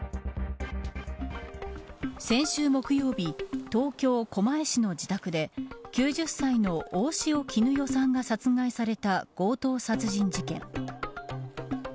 先週木曜日東京、狛江市の自宅で９０歳の大塩衣与さんが殺害された強盗殺人事件。